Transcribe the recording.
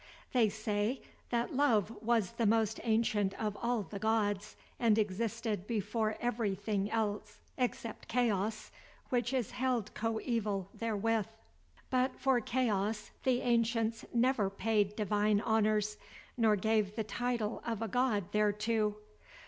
They say, that Love was the most ancient of all the gods, and existed before every thing else, except Chaos, which is held coeval therewith. But for Chaos, the ancients never paid divine honors, nor gave the title of a god thereto.